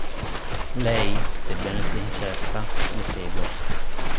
Lei, sebbene sia incerta, lo segue.